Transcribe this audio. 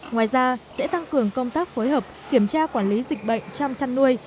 ngoài ra sẽ tăng cường công tác phối hợp kiểm tra quản lý dịch bệnh trong chăn nuôi